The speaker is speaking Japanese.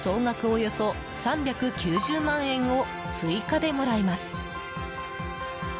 およそ３９０万円を追加でもらえます。